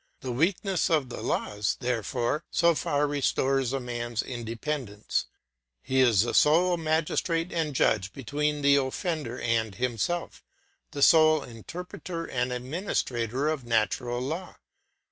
The weakness of the laws, therefore, so far restores a man's independence; he is the sole magistrate and judge between the offender and himself, the sole interpreter and administrator of natural law.